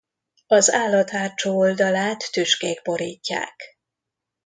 Az állat hátsó oldalát tüskék borítják.